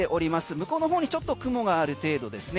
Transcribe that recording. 向こうの方にちょっと雲がある程度ですね。